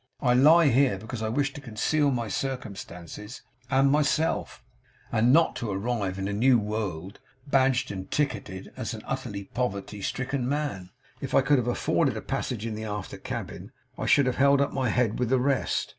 I lie here because I wish to conceal my circumstances and myself, and not to arrive in a new world badged and ticketed as an utterly poverty stricken man. If I could have afforded a passage in the after cabin I should have held up my head with the rest.